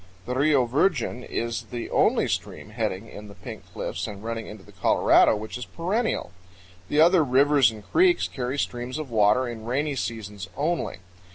The Rio Virgen is the only stream heading in the Pink Cliffs and running into the Colorado which is perennial. The other rivers and creeks carry streams of water in rainy seasons only.